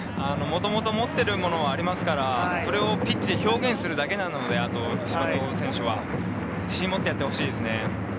もともと持っているものがありますから、それをピッチで表現するだけなので柴戸選手は自信持ってやってほしいです。